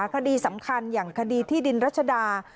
คดีสำคัญอย่างคดีที่ดินรัชดา